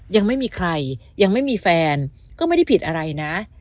ยังไม่มีใครยังไม่มีแฟนก็ไม่ได้ผิดอะไรนะ